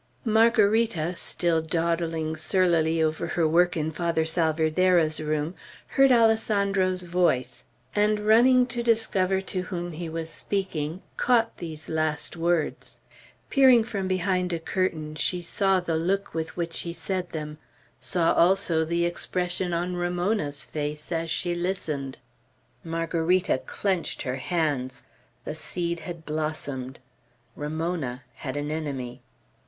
Margarita, still dawdling surlily over her work in Father Salvierderra's room, heard Alessandro's voice, and running to discover to whom he was speaking, caught these last, words. Peering from behind a curtain, she saw the look with which he said them; saw also the expression on Ramona's face as she listened. Margarita clenched her hands. The seed had blossomed. Ramona had an enemy.